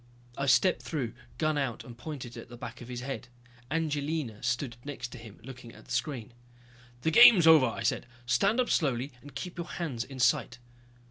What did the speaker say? I stepped through, gun out, and pointed it at the back of his head. Angelina stood next to him, looking at the screen. "The game's over," I said. "Stand up slowly and keep your hands in sight."